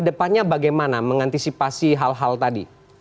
wristnya juga yang berkawasan